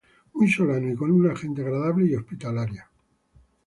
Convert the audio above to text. Muy solano y con una gente agradable y hospitalaria.